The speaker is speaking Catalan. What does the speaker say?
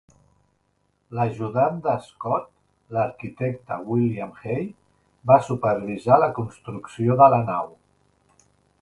L'ajudant de Scott, l'arquitecte William Hay, va supervisar la construcció de la nau.